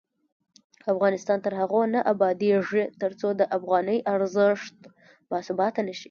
افغانستان تر هغو نه ابادیږي، ترڅو د افغانۍ ارزښت باثباته نشي.